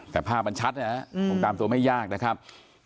แต่ภาพมันชัดนะครับคงตามตัวไม่ยากนะครับ